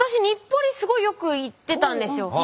日暮里すごいよく行ってたんですよ。